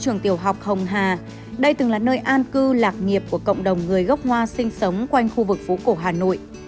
trường tiểu học hồng hà đây từng là nơi an cư lạc nghiệp của cộng đồng người gốc hoa sinh sống quanh khu vực phố cổ hà nội